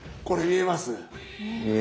これ見えます？